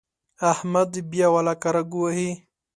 احمد بیا ولاکه رګ ووهي.